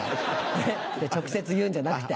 ねっ直接言うんじゃなくて。